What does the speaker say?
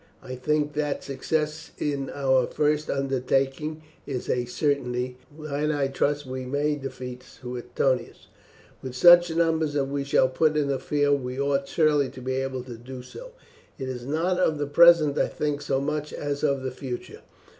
"I think that success in our first undertakings is a certainty, and I trust we may defeat Suetonius. With such numbers as we shall put in the field we ought surely to be able to do so. It is not of the present I think so much as of the future.